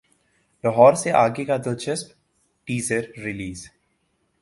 لاہور سے اگے کا دلچسپ ٹیزر ریلیز